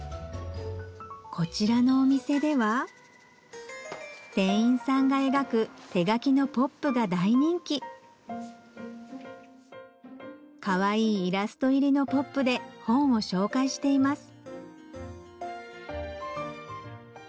こちらのお店では店員さんが描く手描きのＰＯＰが大人気かわいいイラスト入りのＰＯＰで本を紹介しています